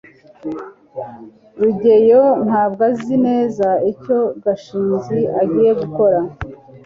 rugeyo ntabwo azi neza icyo gashinzi agiye gukora